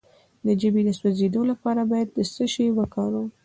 د ژبې د سوځیدو لپاره باید څه شی وکاروم؟